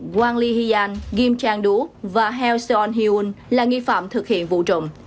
quang ly hiên kim trang đú và heo seon hyun là nghi phạm thực hiện vụ trộm